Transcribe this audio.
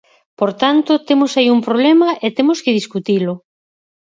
Por tanto, temos aí un problema e temos que discutilo.